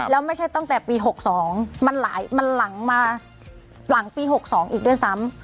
แล้วไม่ใช่ตั้งแต่ปี๖๒มันหลังมาหลังปี๖๒อีกด้วยซ้ำ